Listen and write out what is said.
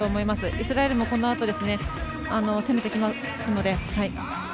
イスラエルも、このあと攻めてきますので。